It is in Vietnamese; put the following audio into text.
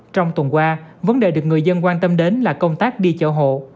trong tuần qua vấn đề được người dân quan tâm đến là công tác đi chợ hộ